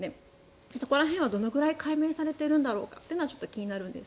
そこら辺はどれぐらい解明されているんだろうかというのは気になります。